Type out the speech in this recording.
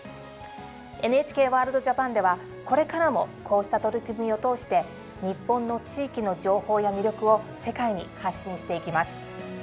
「ＮＨＫワールドＪＡＰＡＮ」ではこれからもこうした取り組みを通して日本の地域の情報や魅力を世界に発信していきます。